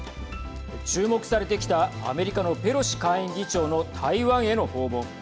注目されてきたアメリカのペロシ下院議長の台湾への訪問。